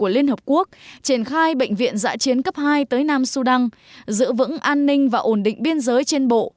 liên hợp quốc triển khai bệnh viện giã chiến cấp hai tới nam sudan giữ vững an ninh và ổn định biên giới trên bộ